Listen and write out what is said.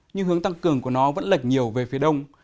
nhưng hướng tăng cường của nó vẫn lệch nhiều về phía đông